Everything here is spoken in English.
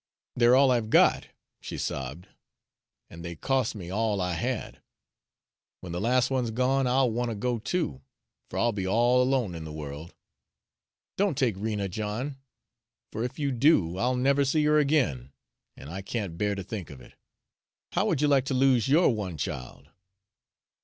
"They're all I've got," she sobbed, "an' they cos' me all I had. When the las' one's gone, I'll want to go too, for I'll be all alone in the world. Don't take Rena, John; for if you do, I'll never see her again, an' I can't bear to think of it. How would you like to lose yo'r one child?"